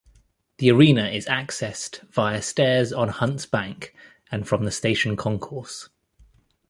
The Arena is accessed via stairs on Hunts Bank and from the station concourse.